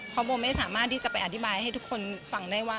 เพราะโบไม่สามารถที่จะไปอธิบายให้ทุกคนฟังได้ว่า